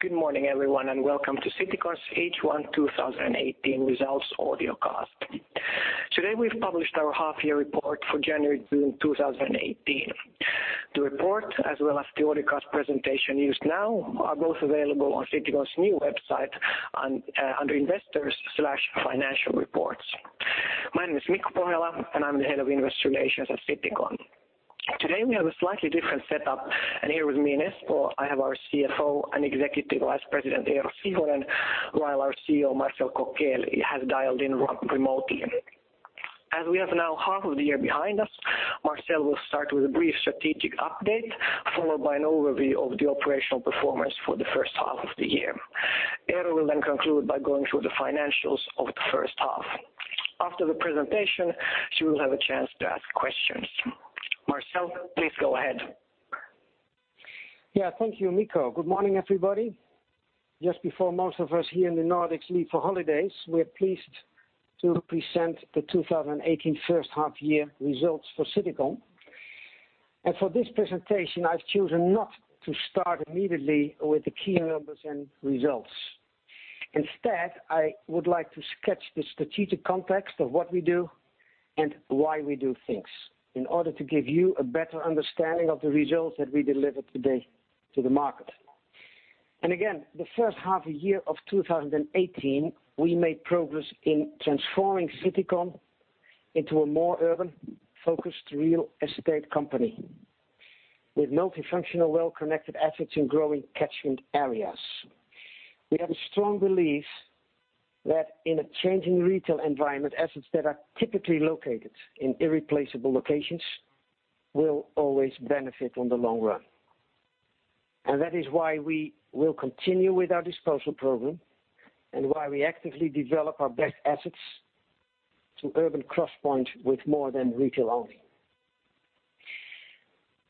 Good morning everyone. Welcome to Citycon's H1 2018 results audiocast. Today we've published our half year report for January to June 2018. The report, as well as the audiocast presentation used now, are both available on Citycon's new website under investors/financial reports. My name is Mikko Pohjola and I'm the Head of Investor Relations at Citycon. Today we have a slightly different setup. Here with me in Espoo, I have our Chief Financial Officer and Executive Vice President, Eero Sihvonen. While our Chief Executive Officer, Marcel Kokkeel, has dialed in remotely. As we have now half of the year behind us, Marcel will start with a brief strategic update, followed by an overview of the operational performance for the first half of the year. Eero will conclude by going through the financials of the first half. After the presentation, you will have a chance to ask questions. Marcel, please go ahead. Thank you, Mikko. Good morning everybody. Just before most of us here in the Nordics leave for holidays, we're pleased to present the 2018 first half year results for Citycon. For this presentation, I've chosen not to start immediately with the key numbers and results. Instead, I would like to sketch the strategic context of what we do and why we do things, in order to give you a better understanding of the results that we deliver today to the market. The first half year of 2018, we made progress in transforming Citycon into a more urban focused real estate company. With multifunctional, well-connected assets in growing catchment areas. We have a strong belief that in a changing retail environment, assets that are typically located in irreplaceable locations will always benefit on the long run. That is why we will continue with our disposal program, why we actively develop our best assets to urban crosspoints with more than retail only.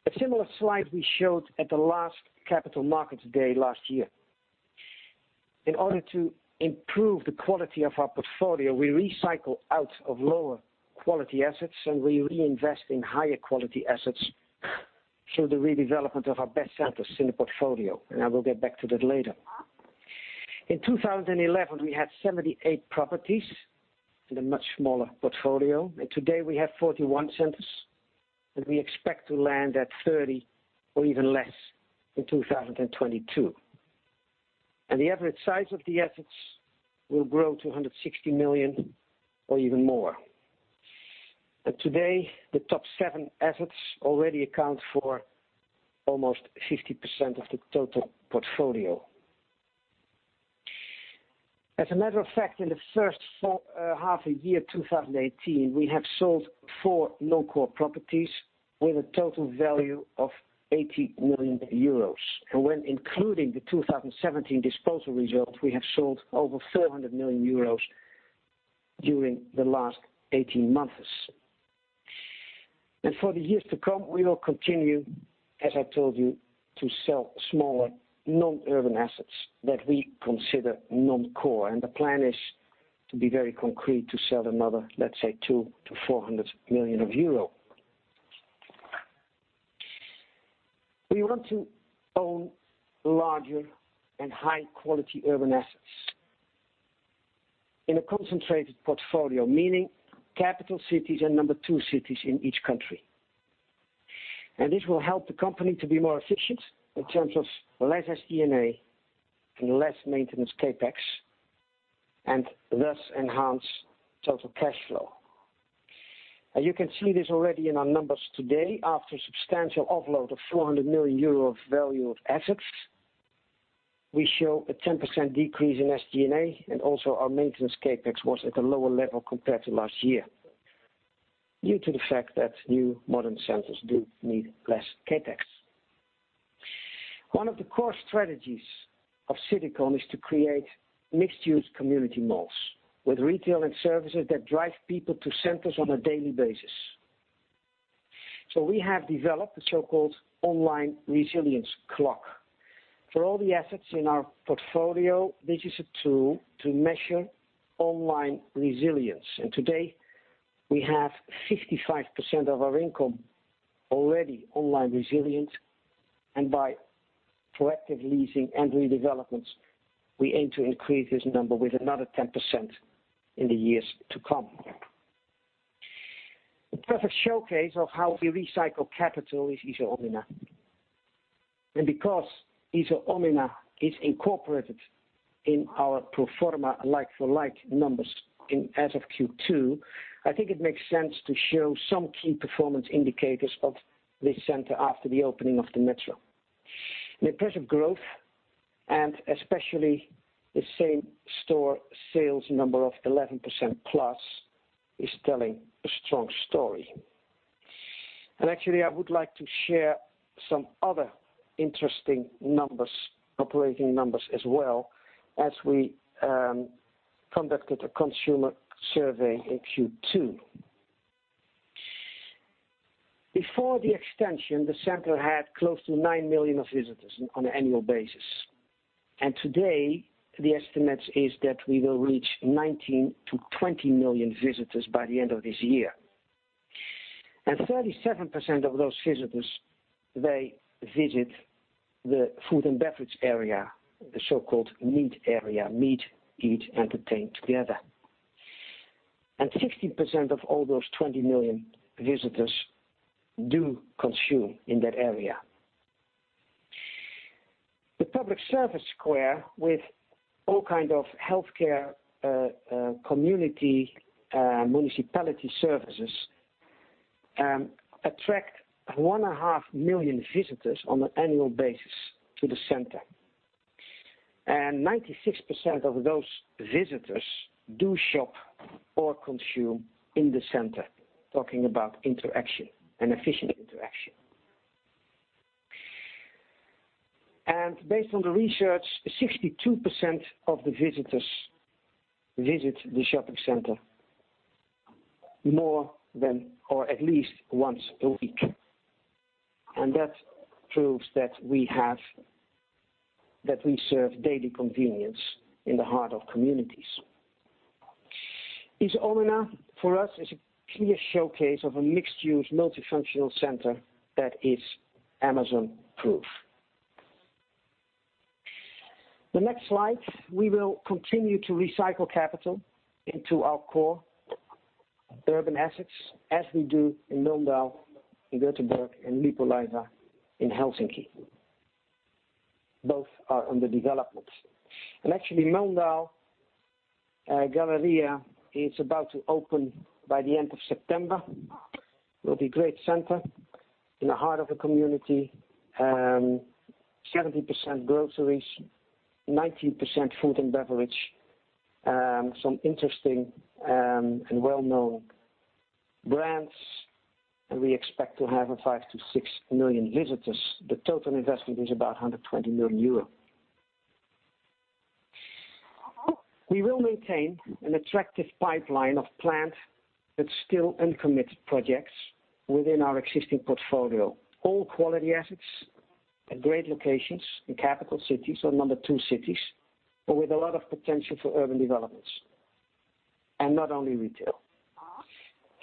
A similar slide we showed at the last capital markets day last year. In order to improve the quality of our portfolio, we recycle out of lower quality assets and we reinvest in higher quality assets through the redevelopment of our best centers in the portfolio. I will get back to that later. In 2011, we had 78 properties in a much smaller portfolio. Today we have 41 centers, we expect to land at 30 or even less in 2022. The average size of the assets will grow to 160 million or even more. Today, the top seven assets already account for almost 50% of the total portfolio. As a matter of fact, in the first half a year 2018, we have sold four non-core properties with a total value of 80 million euros. When including the 2017 disposal results, we have sold over 400 million euros during the last 18 months. For the years to come, we will continue, as I told you, to sell smaller, non-urban assets that we consider non-core. The plan is to be very concrete, to sell another, let's say, 200 million to 400 million euro. We want to own larger and high quality urban assets in a concentrated portfolio. Meaning capital cities and number 2 cities in each country. This will help the company to be more efficient in terms of less SG&A and less maintenance CapEx, and thus enhance total cash flow. You can see this already in our numbers today, after substantial offload of 400 million euro of value of assets. We show a 10% decrease in SG&A, and also our maintenance CapEx was at a lower level compared to last year, due to the fact that new modern centers do need less CapEx. One of the core strategies of Citycon is to create mixed-use community malls, with retail and services that drive people to centers on a daily basis. We have developed a so-called online resilience clock. For all the assets in our portfolio, this is a tool to measure online resilience. Today, we have 55% of our income already online resilient. By proactive leasing and redevelopments, we aim to increase this number with another 10% in the years to come. The perfect showcase of how we recycle capital is Iso Omena. Because Iso Omena is incorporated in our pro forma like-for-like numbers as of Q2, I think it makes sense to show some key performance indicators of this center after the opening of the Metro. The impressive growth and especially the same store sales number of 11%+ is telling a strong story. Actually, I would like to share some other interesting operating numbers as well, as we conducted a consumer survey in Q2. Before the extension, the center had close to 9 million of visitors on an annual basis. Today, the estimate is that we will reach 19 million to 20 million visitors by the end of this year. 37% of those visitors, they visit the food and beverage area, the so-called meet area, meet, eat, entertain together. 16% of all those 20 million visitors do consume in that area. The public service square with all kind of healthcare, community, municipality services, attract one and a half million visitors on an annual basis to the center. 96% of those visitors do shop or consume in the center, talking about interaction and efficient interaction. Based on the research, 62% of the visitors visit the shopping center more than or at least once a week. That proves that we serve daily convenience in the heart of communities. Iso Omena, for us, is a clear showcase of a mixed-use, multifunctional center that is Amazon-proof. The next slide, we will continue to recycle capital into our core urban assets as we do in Mölndal, in Gothenburg, in Lippulaiva, in Helsinki. Both are under development. Actually Mölndal Galleria is about to open by the end of September. Will be great center in the heart of a community. 70% groceries, 19% food and beverage. Some interesting and well-known brands. We expect to have a five to six million visitors. The total investment is about 120 million euro. We will maintain an attractive pipeline of planned, but still uncommitted projects within our existing portfolio. All quality assets at great locations in capital cities or number 2 cities, but with a lot of potential for urban developments and not only retail.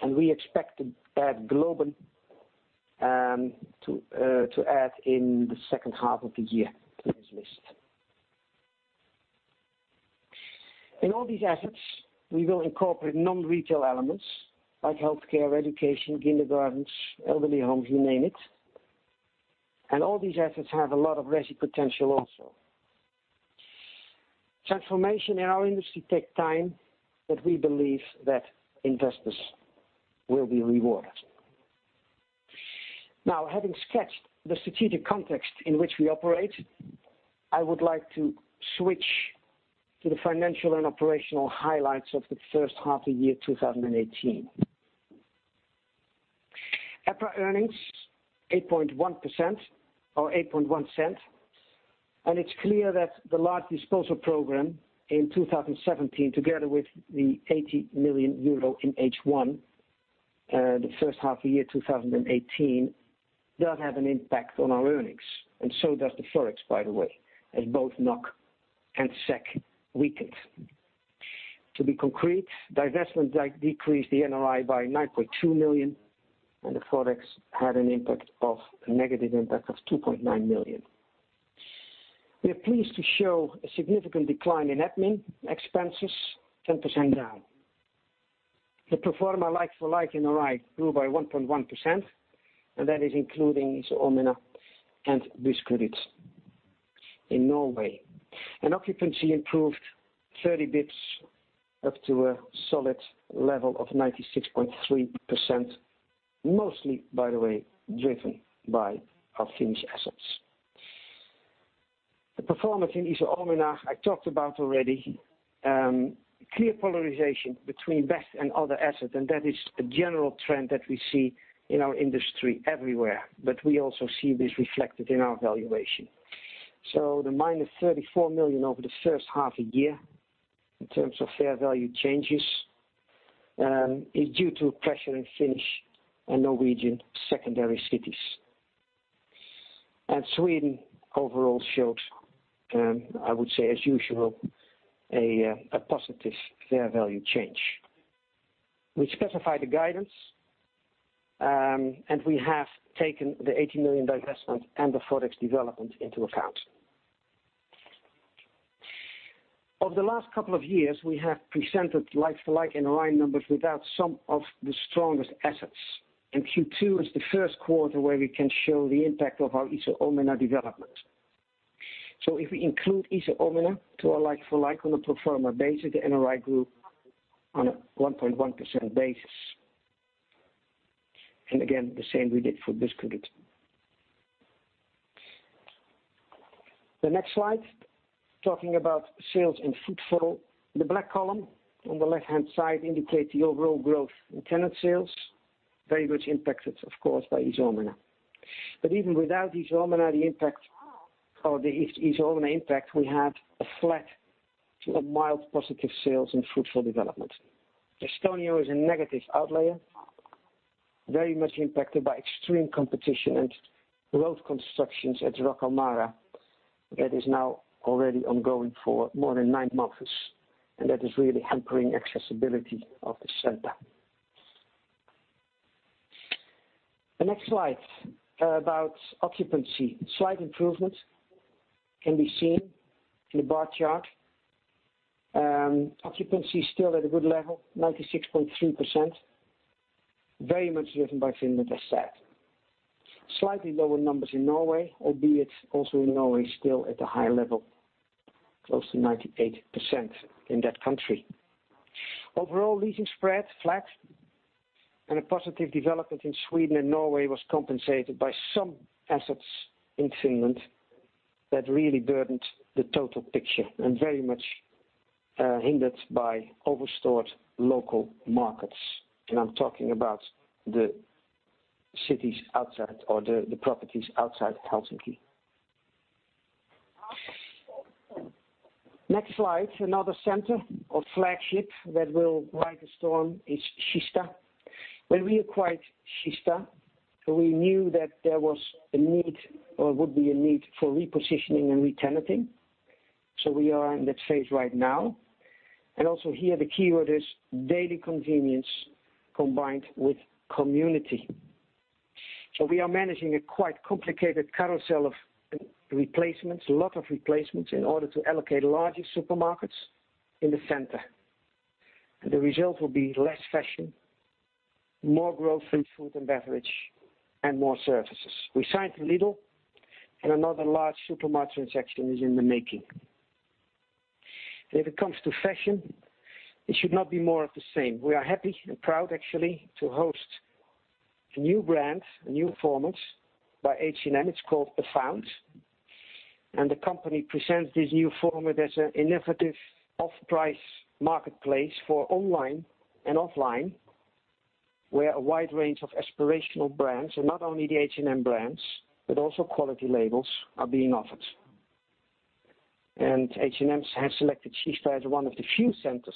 We expect to add Globen to add in the second half of the year to this list. In all these assets, we will incorporate non-retail elements like healthcare, education, kindergartens, elderly homes, you name it. All these assets have a lot of resi potential also. Transformation in our industry take time, but we believe that investors will be rewarded. Now, having sketched the strategic context in which we operate, I would like to switch to the financial and operational highlights of the first half of year 2018. EPRA earnings, 8.1% or 0.081. It's clear that the large disposal program in 2017, together with the 80 million euro in H1, the first half of year 2018, does have an impact on our earnings. So does the Forex, by the way, as both NOK and SEK weakened. To be concrete, divestments decreased the NOI by 9.2 million, and the Forex had a negative impact of 2.9 million. We are pleased to show a significant decline in admin expenses, 10% down. The pro forma like-for-like NOI grew by 1.1%, and that is including Iso Omena and Buskerud in Norway. Occupancy improved 30 basis points up to a solid level of 96.3%, mostly, by the way, driven by our Finnish assets. The pro forma in Iso Omena, I talked about already. Clear polarization between best and other assets, that is a general trend that we see in our industry everywhere. We also see this reflected in our valuation. The minus 34 million over the first half of year, in terms of fair value changes, is due to pressure in Finnish and Norwegian secondary cities. Sweden overall shows, I would say as usual, a positive fair value change. We specified the guidance, we have taken the 80 million divestment and the Forex development into account. Over the last couple of years, we have presented like-for-like NOI numbers without some of the strongest assets. Q2 is the first quarter where we can show the impact of our Iso Omena development. If we include Iso Omena to our like-for-like on a pro forma basis, the NOI grew on a 1.1% basis. Again, the same we did for Buskerud. The next slide, talking about sales in footfall. The black column on the left-hand side indicates the overall growth in tenant sales. Very much impacted, of course, by Iso Omena. Even without the Iso Omena impact, we had a flat to a mild positive sales and footfall development. Estonia is a negative outlier, very much impacted by extreme competition and road constructions at Rakvere That is now already ongoing for more than nine months, and that is really hampering accessibility of the center. The next slide, about occupancy. Slight improvement can be seen in the bar chart. Occupancy still at a good level, 96.3%, very much driven by Finland, as said. Slightly lower numbers in Norway, albeit also in Norway, still at a high level, close to 98% in that country. Overall leasing spread flat and a positive development in Sweden and Norway was compensated by some assets in Finland that really burdened the total picture and very much hindered by over-stored local markets. I am talking about the properties outside Helsinki. Next slide. Another center or flagship that will ride the storm is Kista. When we acquired Kista, we knew that there would be a need for repositioning and re-tenanting. We are in that phase right now. Also here the keyword is daily convenience combined with community. We are managing a quite complicated carousel of replacements, lot of replacements, in order to allocate larger supermarkets in the center. The result will be less fashion, more growth in food and beverage, and more services. We signed with Lidl, another large supermarket transaction is in the making. If it comes to fashion, it should not be more of the same. We are happy and proud actually, to host new brands, new formats by H&M. It is called Afound, and the company presents this new format as an innovative off-price marketplace for online and offline, where a wide range of aspirational brands, and not only the H&M brands, but also quality labels, are being offered. H&M has selected Kista as one of the few centers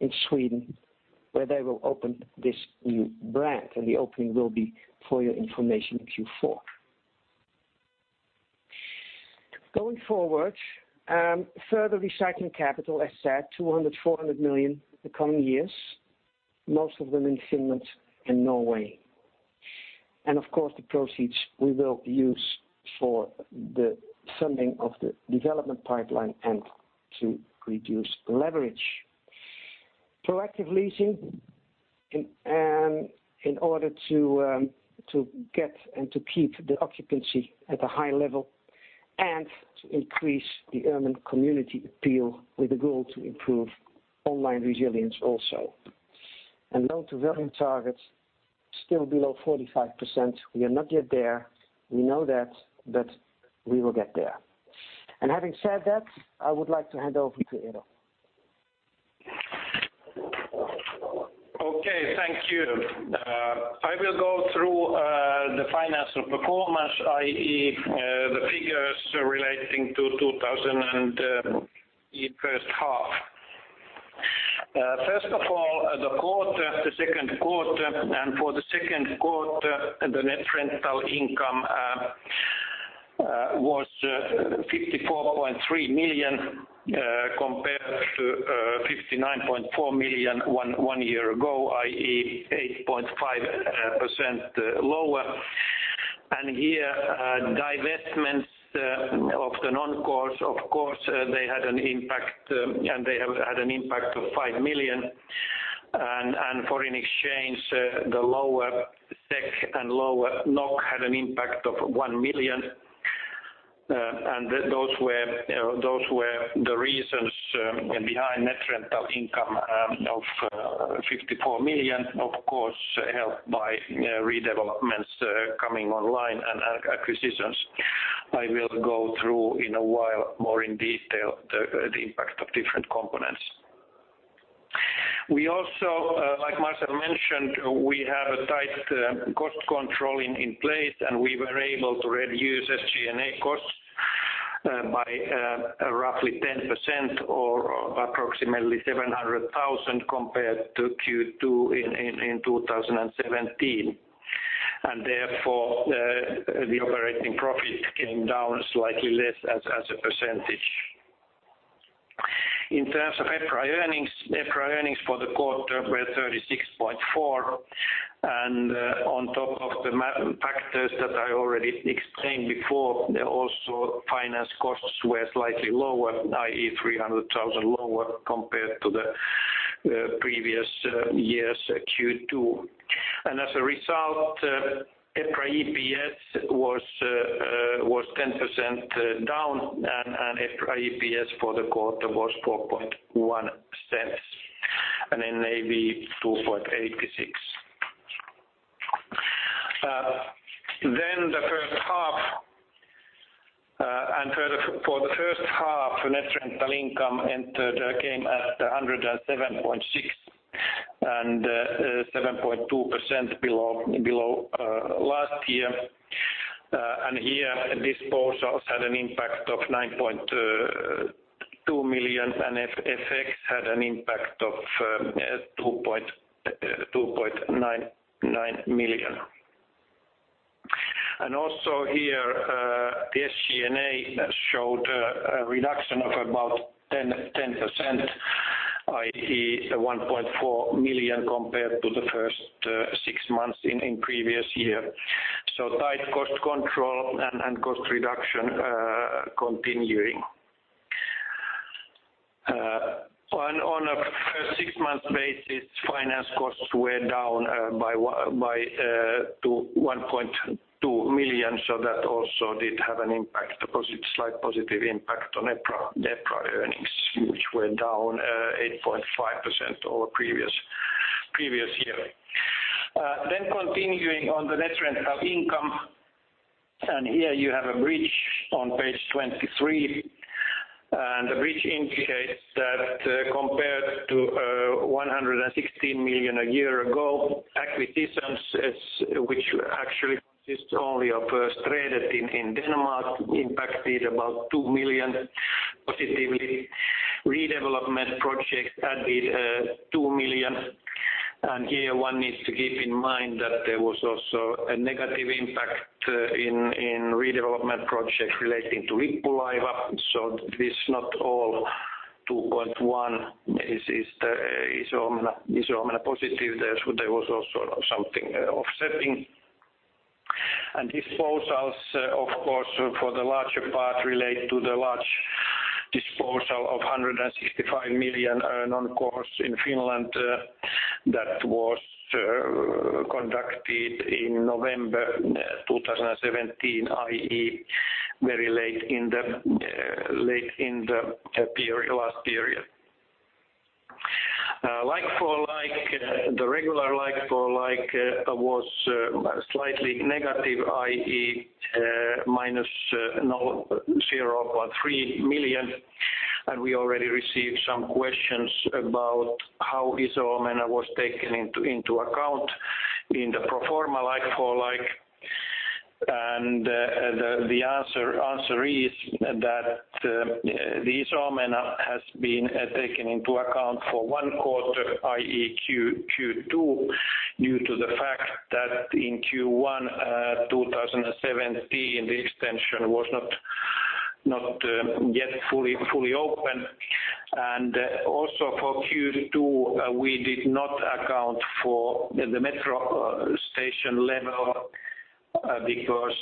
in Sweden where they will open this new brand, and the opening will be, for your information, Q4. Going forward, further recycling capital, as said, 200 million, 400 million the coming years, most of them in Finland and Norway. Of course, the proceeds we will use for the funding of the development pipeline and to reduce leverage. Proactive leasing in order to get and to keep the occupancy at a high level and to increase the urban community appeal with a goal to improve online resilience also. Loan-to-value targets still below 45%. We are not yet there. We know that, but we will get there. Having said that, I would like to hand over to Eero. Okay. Thank you. I will go through the financial performance, i.e., the figures relating to 2018 first half. First of all, the second quarter. For the second quarter, the net rental income was 54.3 million, compared to 59.4 million one year ago, i.e., 8.5% lower. Here, divestments of the non-core, of course, they had an impact, and they have had an impact of 5 million. Foreign exchange, the lower SEK and lower NOK had an impact of 1 million. Those were the reasons behind net rental income of 54 million, of course, helped by redevelopments coming online and acquisitions. I will go through in a while more in detail the impact of different components. Like Marcel mentioned, we have a tight cost control in place, and we were able to reduce SG&A costs by roughly 10% or approximately 700,000 compared to Q2 in 2017. Therefore, the operating profit came down slightly less as a percentage. In terms of EPRA earnings, EPRA earnings for the quarter were 36.4. On top of the factors that I already explained before, also finance costs were slightly lower, i.e., 300,000 lower compared to the previous year's Q2. As a result, EPRA EPS was 10% down, and EPRA EPS for the quarter was 0.041, and NAV 2.86. The first half. For the first half, net rental income came at 107.6 and 7.2% below last year. Here, disposals had an impact of 9.2 million. FX had an impact of 2.9 million. Also here, the SG&A showed a reduction of about 10%, i.e., 1.4 million compared to the first six months in previous year. Tight cost control and cost reduction continuing. On a first six-month basis, finance costs were down by 1.2 million, that also did have a slight positive impact on EPRA earnings, which were down 8.5% over previous year. Continuing on the net rental income. Here you have a bridge on page 23, the bridge indicates that compared to 116 million a year ago, acquisitions, which actually consists only of Strædet in Denmark, impacted about 2 million positively. Redevelopment projects added 2 million. Here one needs to keep in mind that there was also a negative impact in redevelopment projects relating to Lippulaiva. This not all 2.1 million is Iso Omena positive. There was also something offsetting. Disposals, of course, for the larger part relate to the large disposal of 165 million on non-cores in Finland that was conducted in November 2017, i.e., very late in the last period. The regular like-for-like was slightly negative, i.e., minus 0.3 million, we already received some questions about how Iso Omena was taken into account in the pro forma like-for-like. The answer is that the Iso Omena has been taken into account for one quarter, i.e., Q2, due to the fact that in Q1 2017, the extension was not yet fully open. Also for Q2, we did not account for the metro station level because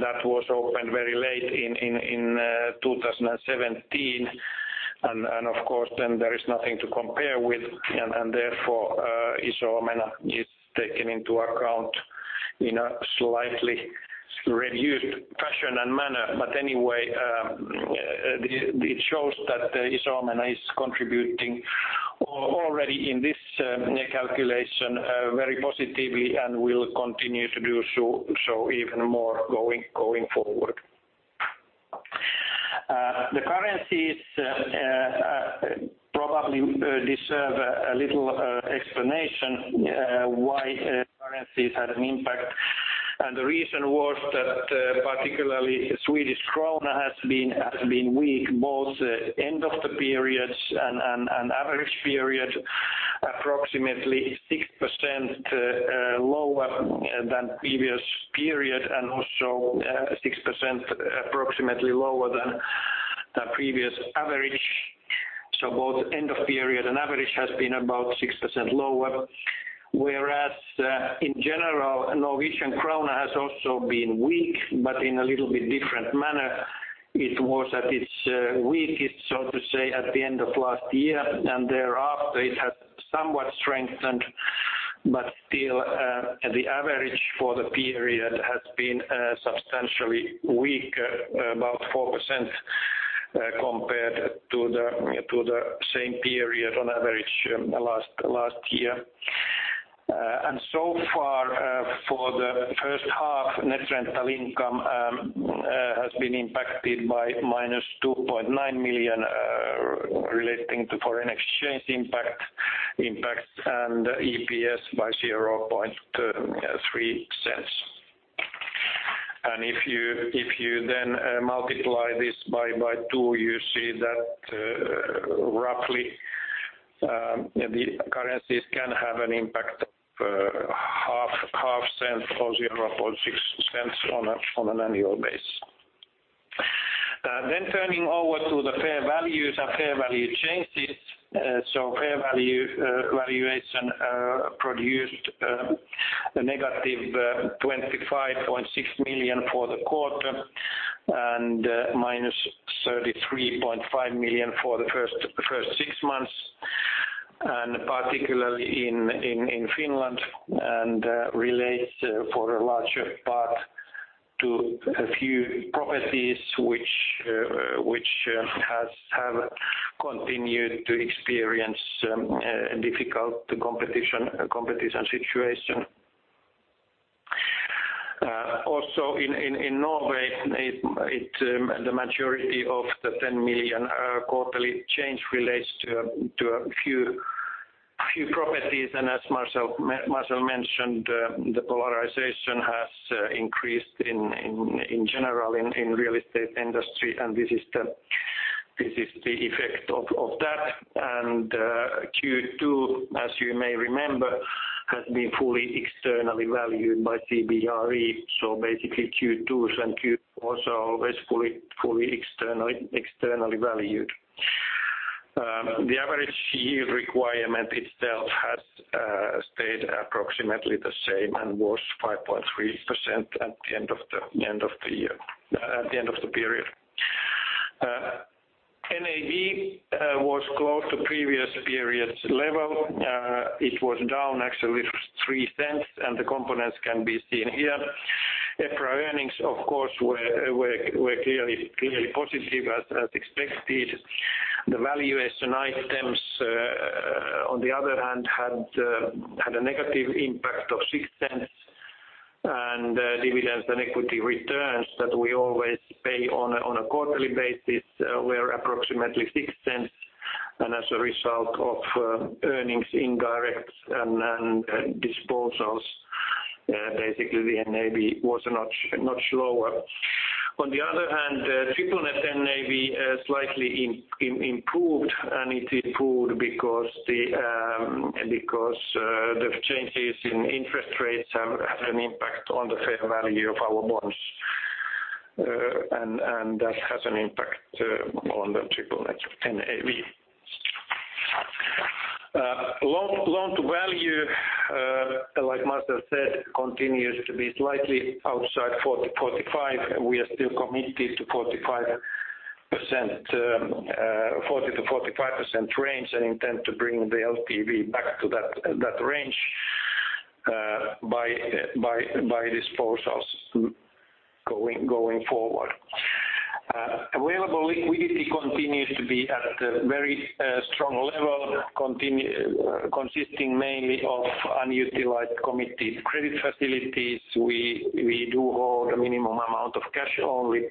that was opened very late in 2017. Of course then there is nothing to compare with, therefore, Iso Omena is taken into account in a slightly reduced fashion and manner. Anyway, it shows that Iso Omena is contributing already in this calculation very positively and will continue to do so even more going forward. The currencies probably deserve a little explanation why currencies had an impact. The reason was that particularly Swedish krona has been weak, both end of the periods and average period, approximately 6% lower than previous period and also 6% approximately lower than the previous average. Both end of period and average has been about 6% lower. Whereas in general, Norwegian krona has also been weak, but in a little bit different manner. It was at its weakest, so to say, at the end of last year, thereafter it has somewhat strengthened, but still the average for the period has been substantially weak, about 4% compared to the same period on average last year. So far for the first half, net rental income has been impacted by minus 2.9 million relating to foreign exchange impact and EPS by 0.003. If you then multiply this by two, you see that roughly the currencies can have an impact of EUR 0.005 or 0.006 on an annual basis. Turning over to the fair values and fair value changes. Fair value valuation produced a negative 25.6 million for the quarter and minus 33.5 million for the first six months, particularly in Finland, and relates for a larger part to a few properties which have continued to experience a difficult competition situation. Also in Norway, the majority of the 10 million quarterly change relates to a few properties. As Marcel mentioned, the polarization has increased in general in real estate industry, and this is the effect of that. Q2, as you may remember, has been fully externally valued by CBRE. Basically Q2 and Q4 are always fully externally valued. The average yield requirement itself has stayed approximately the same and was 5.3% at the end of the period. NAV was close to previous period's level. It was down actually 0.03, and the components can be seen here. EPRA earnings, of course, were clearly positive as expected. The value SG&A items, on the other hand, had a negative impact of 0.06, and dividends and equity returns that we always pay on a quarterly basis were approximately 0.06. As a result of earnings indirect and disposals, basically the NAV was much lower. On the other hand, triple net NAV slightly improved, and it improved because the changes in interest rates have an impact on the fair value of our bonds. That has an impact on the triple net NAV. Loan-to-value, like Marcel said, continues to be slightly outside 40-45%. We are still committed to 40-45% range and intend to bring the LTV back to that range by disposals going forward. Available liquidity continues to be at a very strong level, consisting mainly of unutilized committed credit facilities. We do hold a minimum amount of cash only.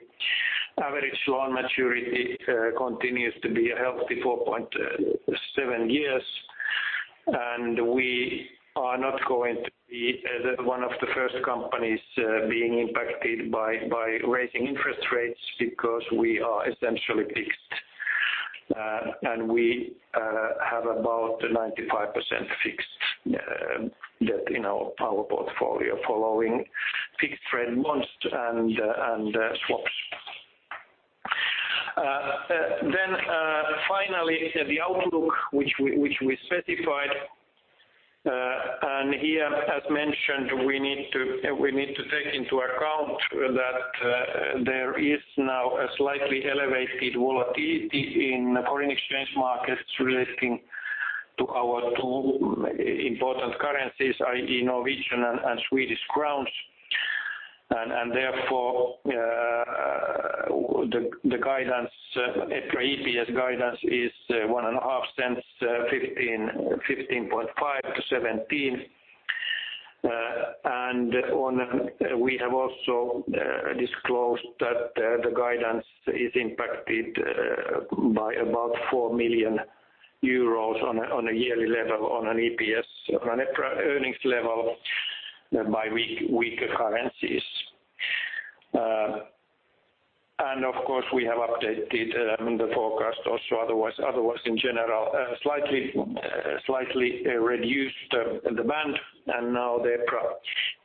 Average loan maturity continues to be a healthy 4.7 years, and we are not going to be one of the first companies being impacted by raising interest rates because we are essentially fixed. We have about 95% fixed debt in our portfolio following fixed-rate bonds and swaps. Finally, the outlook, which we specified, and here, as mentioned, we need to take into account that there is now a slightly elevated volatility in foreign exchange markets relating to our two important currencies, i.e., NOK and SEK, and therefore, the EPRA EPS guidance is 15.5-17. We have also disclosed that the guidance is impacted by about 4 million euros on a yearly level, on an EPS EPRA earnings level by weaker currencies. Of course, we have updated the forecast also otherwise in general, slightly reduced the band, and now the EPRA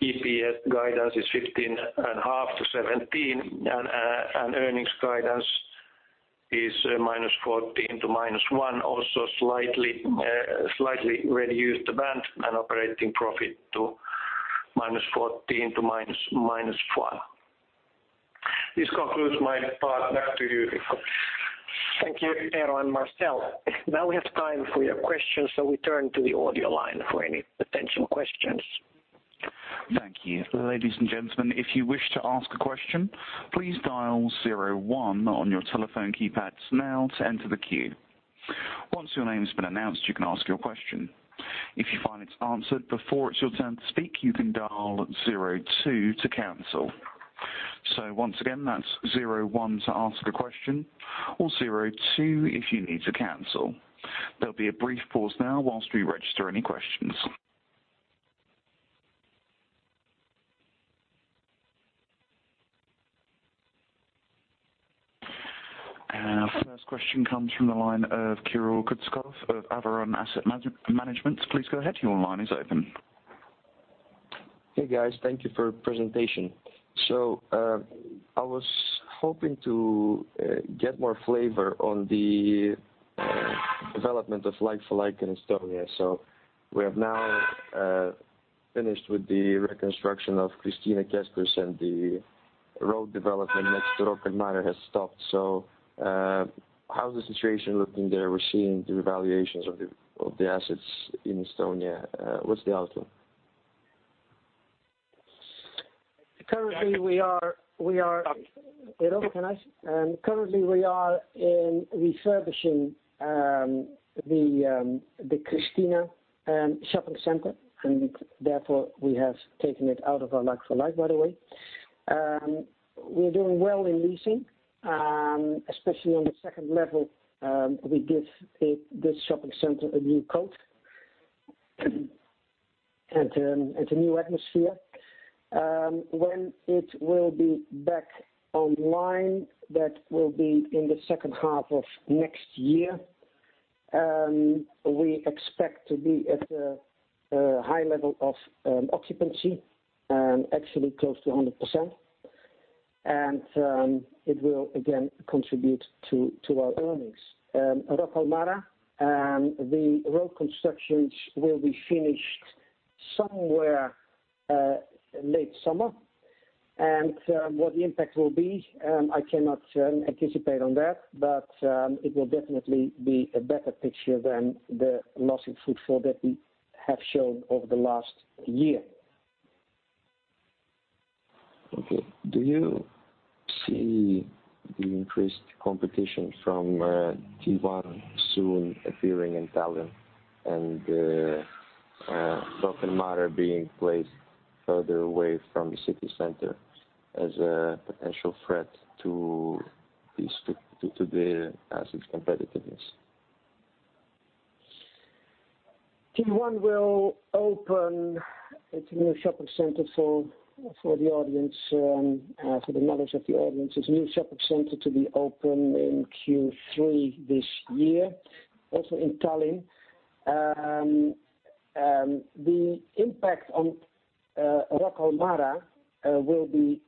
EPS guidance is 15.5-17, and earnings guidance is minus 14 to minus 1, also slightly reduced the band and operating profit to minus 14 to minus 1. This concludes my part. Back to you, Mikko. Thank you, Eero and Marcel. Now we have time for your questions, so we turn to the audio line for any potential questions. Thank you. Ladies and gentlemen, if you wish to ask a question, please dial zero one on your telephone keypads now to enter the queue. Once your name's been announced, you can ask your question. If you find it's answered before it's your turn to speak, you can dial zero two to cancel. Once again, that's zero one to ask a question or zero two if you need to cancel. There'll be a brief pause now whilst we register any questions. Our first question comes from the line of Kirill Kutakov of Avaron Asset Management. Please go ahead. Your line is open. Hey, guys. Thank you for presentation. I was hoping to get more flavor on the development of like-for-like in Estonia. We have now finished with the reconstruction of Kristiine Keskus and the road development next to Rocca al Mare has stopped. How's the situation looking there? We're seeing the revaluations of the assets in Estonia. What's the outlook? Currently we are- Eero, can I? Currently, we are in refurbishing the Kristiine shopping center, and therefore we have taken it out of our like-for-like, by the way. We're doing well in leasing, especially on the second level. We give this shopping center a new coat and a new atmosphere. When it will be back online, that will be in the second half of next year. We expect to be at a high level of occupancy, actually close to 100%. It will again contribute to our earnings. Rocca al Mare, the road constructions will be finished somewhere late summer. What the impact will be, I cannot anticipate on that, but it will definitely be a better picture than the loss in footfall that we have shown over the last year. Okay. Do you see the increased competition from T1 soon appearing in Tallinn and Rocca al Mare being placed further away from the city center as a potential threat to the asset's competitiveness? T1 will open its new shopping center for the members of the audience. It's a new shopping center to be open in Q3 this year, also in Tallinn. The impact on Rocca al Mare will be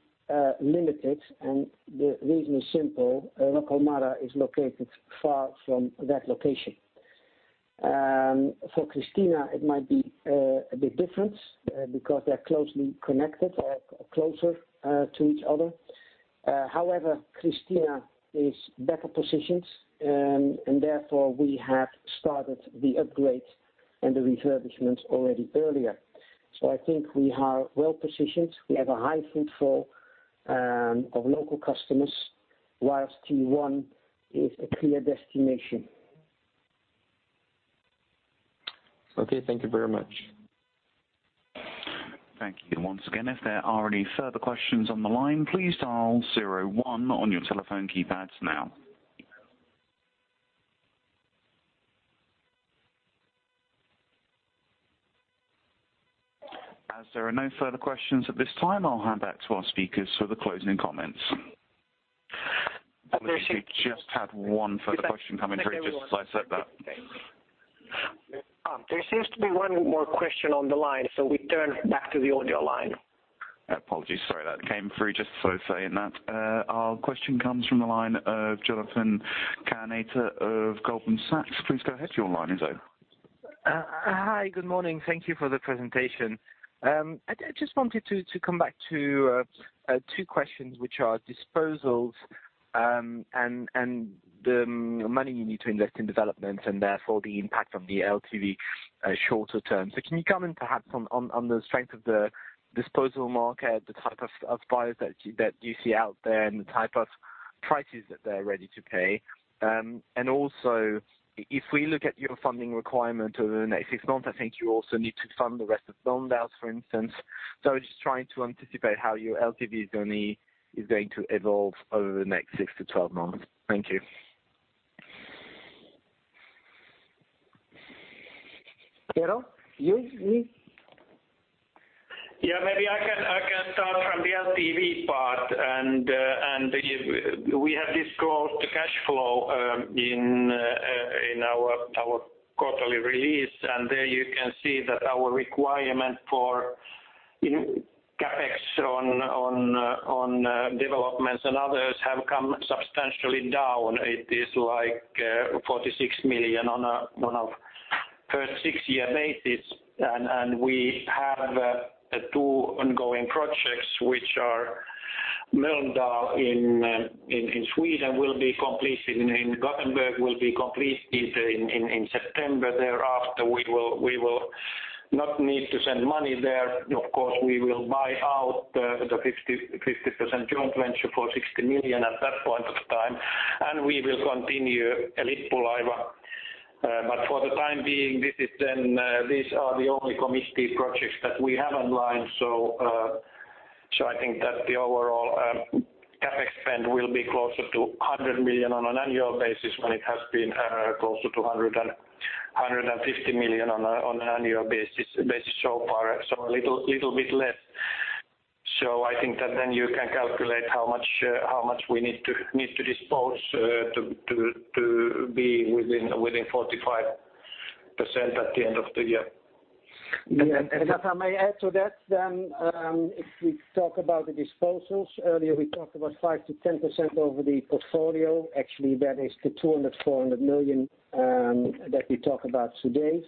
limited. The reason is simple. Rocca al Mare is located far from that location. For Kristiine, it might be a bit different because they're closely connected or closer to each other. Kristiine is better positioned. Therefore, we have started the upgrade and the refurbishment already earlier. I think we are well positioned. We have a high footfall of local customers, while T1 is a clear destination. Okay, thank you very much. Thank you once again. If there are any further questions on the line, please dial 01 on your telephone keypads now. As there are no further questions at this time, I'll hand back to our speakers for the closing comments. Apologies. We just had one further question come in through just as I said that. There seems to be one more question on the line, so we turn back to the audio line. Apologies. Sorry, that came through just as I was saying that. Our question comes from the line of Jonathan Kownator of Goldman Sachs. Please go ahead. Your line is open. Hi. Good morning. Thank you for the presentation. I just wanted to come back to two questions, which are disposals and the money you need to invest in developments, and therefore the impact of the LTV shorter term. Can you comment perhaps on the strength of the disposal market, the type of buyers that you see out there and the type of prices that they're ready to pay? Also, if we look at your funding requirement over the next six months, I think you also need to fund the rest of Mölndal, for instance. I was just trying to anticipate how your LTV journey is going to evolve over the next six to 12 months. Thank you. Eero, you? Me? Yeah, maybe I can start from the LTV part. We have disclosed the cash flow in our quarterly release. There you can see that our requirement for CapEx on developments and others have come substantially down. It is like 46 million on a per six-month basis. We have two ongoing projects, which are Mölndal in Sweden, in Gothenburg, will be completed in September. Thereafter, we will not need to send money there. Of course, we will buy out the 50% joint venture for 60 million at that point of time, and we will continue Lippulaiva. For the time being, these are the only committed projects that we have online. I think that the overall CapEx spend will be closer to 100 million on an annual basis when it has been closer to 150 million on an annual basis so far. A little bit less. I think that then you can calculate how much we need to dispose to be within 45% at the end of the year. If I may add to that then, if we talk about the disposals, earlier, we talked about 5%-10% over the portfolio. Actually, that is the 200 million-400 million that we talk about today.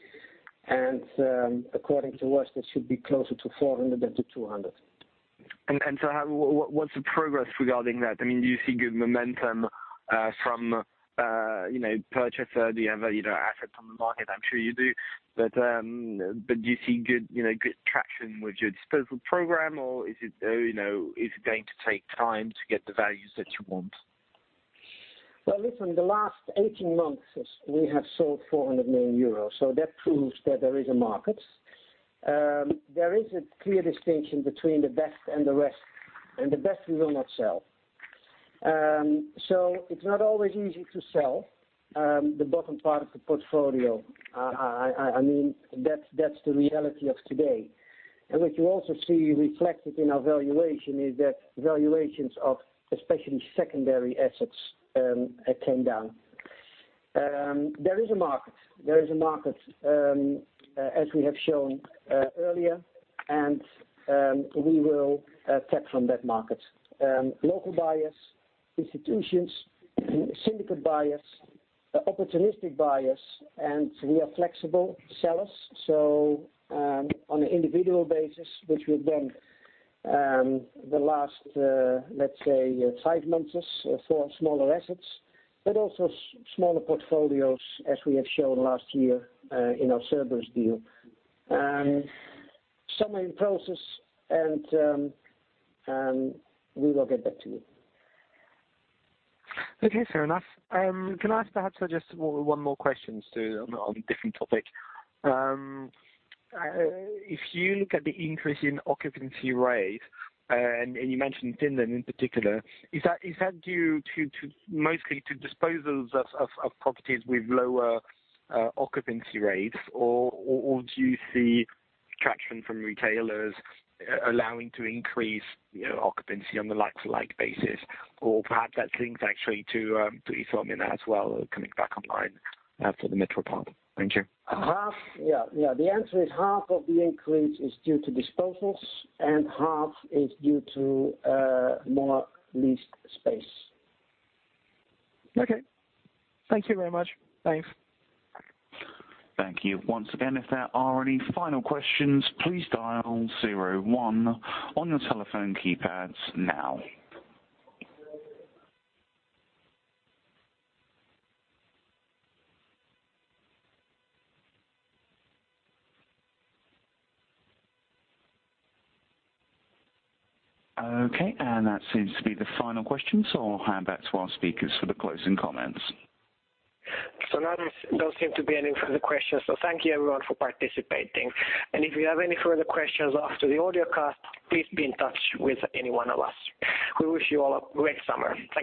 According to us, that should be closer to 400 million than to 200 million. What's the progress regarding that? Do you see good momentum from purchaser? Do you have assets on the market? I'm sure you do, but do you see good traction with your disposal program, or is it going to take time to get the values that you want? Well, listen, the last 18 months, we have sold 400 million euros. That proves that there is a market. There is a clear distinction between the best and the rest, and the best we will not sell. It's not always easy to sell the bottom part of the portfolio. That's the reality of today. What you also see reflected in our valuation is that valuations of especially secondary assets came down. There is a market, as we have shown earlier, we will tap from that market. Local buyers, institutions, syndicate buyers, opportunistic buyers, we are flexible sellers, on an individual basis, which we've done the last, let's say, five months for smaller assets, but also smaller portfolios as we have shown last year in our Cerberus deal. Some are in process, we will get back to you. Okay, fair enough. Can I perhaps suggest one more questions, [to], on a different topic? If you look at the increase in occupancy rate, you mentioned Finland in particular, is that due mostly to disposals of properties with lower occupancy rates, or do you see traction from retailers allowing to increase occupancy on the like-for-like basis? Perhaps that links actually to Iso Omena as well, coming back online after the metro part. Thank you. Yeah. The answer is half of the increase is due to disposals, half is due to more leased space. Okay. Thank you very much. Bye. Thank you once again. If there are any final questions, please dial 01 on your telephone keypads now. Okay, that seems to be the final question. I'll hand back to our speakers for the closing comments. Now there don't seem to be any further questions. Thank you, everyone, for participating. If you have any further questions after the audiocast, please be in touch with any one of us. We wish you all a great summer. Thank you